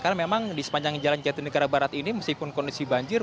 karena memang di sepanjang jalan jatuh negara barat ini meskipun kondisi banjir